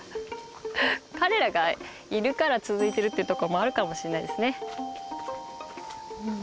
彼らがいるから続いてるっていうとこもあるかもしれないですね。